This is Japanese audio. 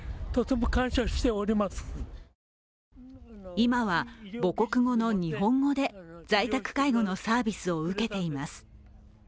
今は母国語の日本語で在宅介護のサービスを受けています。